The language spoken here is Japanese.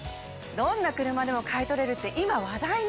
どんな車でも買い取れるって今話題の！